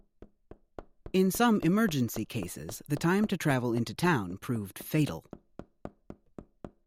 In some emergency cases, the time to travel into town proved fatal.